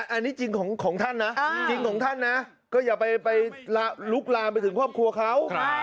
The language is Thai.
อันนี้จริงของท่านนะก็อย่าไปลุกลาไปถึงครอบครัวเขา